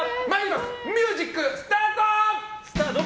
ミュージックスタート！